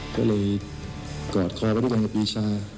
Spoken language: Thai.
ก็เลยกอดคอเขาด้วยกันกับปีชา